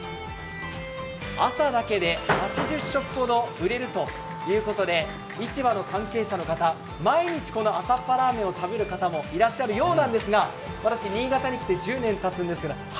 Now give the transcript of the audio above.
朝だけで８０食ほど売れるということで市場の関係者の方、毎日このあさっぱラーメンを食べる方もいらっしゃるようですが私、新潟に来て１０年たつんですけど